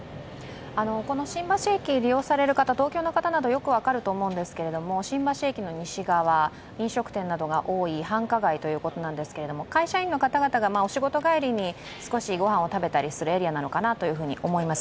新橋駅を利用されている方、東京の方はよく分かると思うんですけど新橋駅の西側、飲食店などが多い繁華街ということなんですけれども、会社員の方々がお仕事帰りに食事をするために寄るところかなと思います。